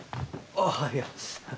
あっいや。